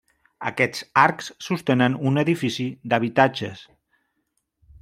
Aquests arcs sostenen un edifici d'habitatges.